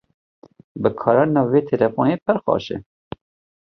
Bikaranîna vê telefonê pir xweş e.